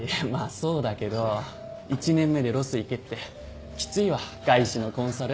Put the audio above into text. そうだけど１年目でロス行けってきついわ外資のコンサル。